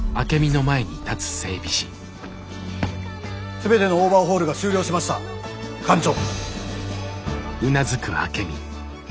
全てのオーバーホールが終了しました艦長。